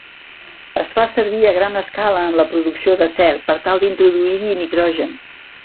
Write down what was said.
Es fa servir a gran escala en la producció d'acer per tal d'introduir-hi nitrogen.